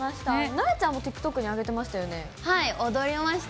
なえちゃんもＴｉｋＴｏｋにはい、踊りました。